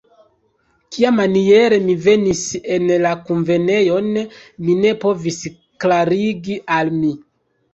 Kiamaniere mi venis en la kunvenejon, mi ne povis klarigi al mi.